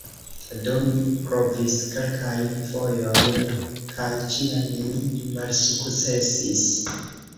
Do mi provis kelkajn fojojn, kaj ĉiam mi malsukcesis.